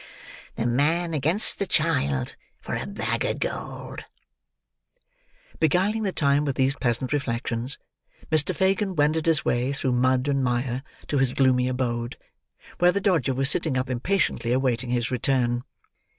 Ha! ha! The man against the child, for a bag of gold!" Beguiling the time with these pleasant reflections, Mr. Fagin wended his way, through mud and mire, to his gloomy abode: where the Dodger was sitting up, impatiently awaiting his return.